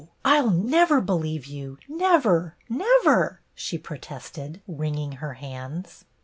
I 'll never believe you, never, never! ''she protested, wringing her hands.